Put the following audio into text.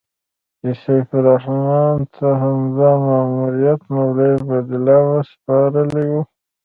چې سیف الرحمن ته همدا ماموریت مولوي عبیدالله ورسپارلی و.